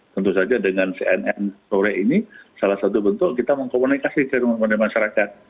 tentu saja dengan cnn sore ini salah satu bentuk kita mengkomunikasikan kepada masyarakat